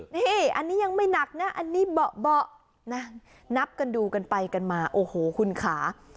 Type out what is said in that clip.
นี่อันนี้ยังไม่หนักนะอันนี้เบาะนะนับกันดูกันไปกันมาโอ้โหคุณค่ะ